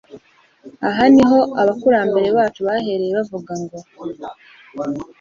Aha ni ho abakurambere bacu bahereye bavuga ngo